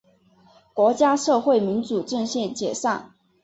国家社会民主阵线解散。